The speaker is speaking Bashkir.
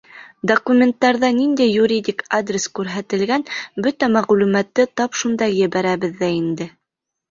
Документтарҙа ниндәй юридик адрес күрһәтелгән, бөтә мәғлүмәтте тап шунда ебәрәбеҙ ҙә инде.